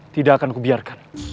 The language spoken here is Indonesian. tidak akan kubiarkan